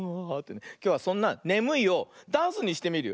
きょうはそんな「ねむい」をダンスにしてみるよ。